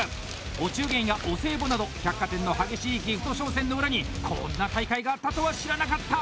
お中元やお歳暮など百貨店の激しいギフト商戦の裏にこんな大会があったとは知らなかった！